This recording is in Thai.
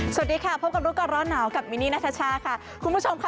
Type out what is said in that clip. สวัสดีค่ะพบกับดูก่อนร้อนหน่ากับวินนินาธชานะคะ